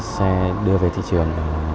xe đưa về thị trường